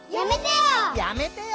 「やめてよ」